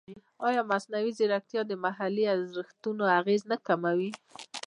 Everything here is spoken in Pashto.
ایا مصنوعي ځیرکتیا د محلي ارزښتونو اغېز نه کموي؟